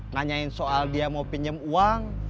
nganyain soal dia mau pinjem uang